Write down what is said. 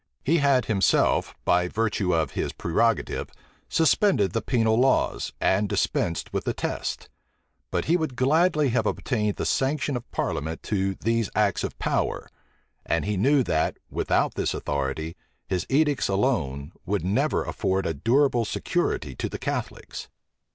He had himself, by virtue of his prerogative, suspended the penal laws, and dispensed with the test; but he would gladly have obtained the sanction of parliament to these acts of power; and he knew that, without this authority, his edicts alone would never afford a durable security to the Catholics.